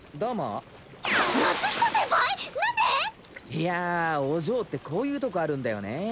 いやあお嬢ってこういうとこあるんだよね